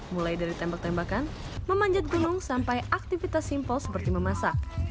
mulai dari tembak tembakan memanjat gunung sampai aktivitas simpel seperti memasak